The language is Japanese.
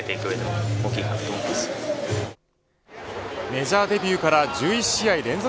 メジャーデビューから１１試合連続